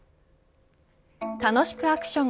楽しくアクション！